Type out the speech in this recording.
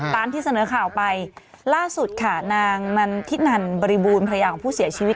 ตามที่เสนอข่าวไปล่าสุดค่ะนางนันทินันบริบูรณภรรยาของผู้เสียชีวิต